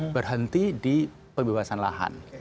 berhenti di pembebasan lahan